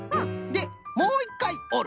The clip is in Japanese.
でもういっかいおる。